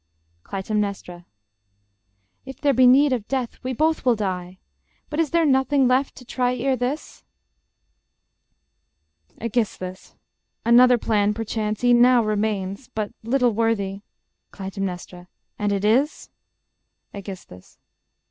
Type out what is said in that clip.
Clytemnestra If there be need of death, we both will die! But is there nothing left to try ere this? Aegis. Another plan, perchance, e'en now remains; ... But little worthy ... Cly. And it is _Aegis.